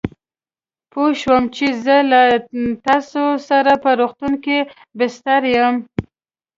پوه شوم چې زه لا تراوسه په روغتون کې بستر یم.